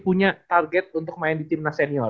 punya target untuk main di timnas senior